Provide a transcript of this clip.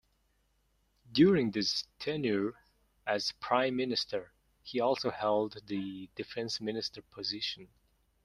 During this tenure as prime Minister, he also held the Defense Minister position.